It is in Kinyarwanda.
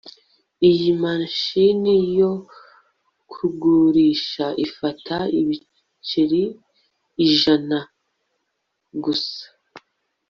iyi mashini yo kugurisha ifata ibiceri ijana-yen gusa